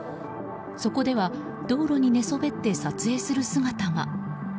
そこでは道路に寝そべって撮影する姿が。